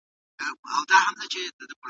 ولي د مورنۍ ژبي زده کړه بنسټيز ارزښت لري؟